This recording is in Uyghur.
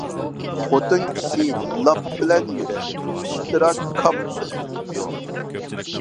خوتۇن كىشى لاپ بىلەن يۈرەر، ئۇستىرا كاپ بىلەن.